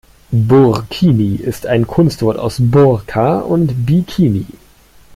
Burkini ist ein Kunstwort aus Burka und Bikini.